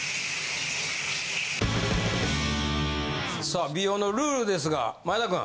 さあ美容のルールですが前田君。